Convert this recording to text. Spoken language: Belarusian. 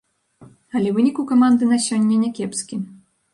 Але вынік у каманды на сёння някепскі.